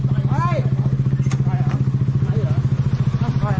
พี่ใจเย็นพี่